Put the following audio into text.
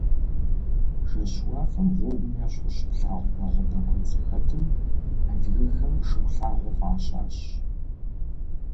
Жэщ уафэм гъуэгум ещхьу щыплъагъу вагъуэбэ куэд зэхэтым адыгэхэм Шыхулъагъуэ фӀащащ.